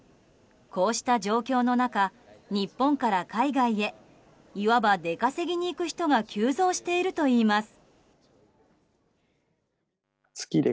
こうした状況の中日本から海外へいわば、出稼ぎに行く人が急増しているといいます。